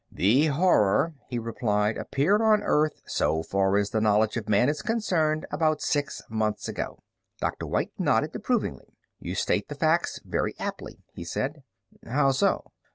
"The Horror," he replied, "appeared on Earth, so far as the knowledge of man is concerned, about six months ago." Dr. White nodded approvingly. "You state the facts very aptly," he said. "How so?"